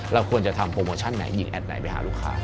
เราควรจะทำโปรโมชั่นไหนยิงแอดไหนไปหาลูกค้า